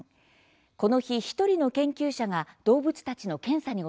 この日、１人の研究者が動物たちの検査に訪れました。